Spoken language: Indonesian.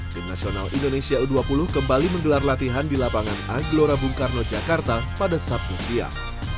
tim nasional indonesia u dua puluh kembali menggelar latihan di lapangan a gelora bung karno jakarta pada sabtu siang